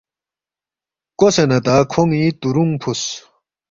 کوسے نہ تا کھون٘ی تُرُونگ فُوس